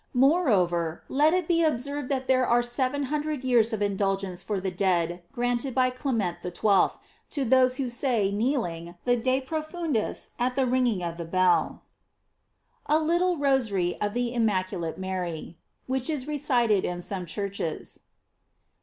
* Moreover, let it be observed that there are sev * Sinlsc. in. fin. prat. 3, p. 3. 778 GLORIES OF MARY. cn hundred years of indulgence for the dead granted by Clement XII. to those who say, kneel ing, the De Profundis at the ringing of the bell. A LITTLE ROSARY OF THE IMMACULATE MARY, "Which is recited in some Churches.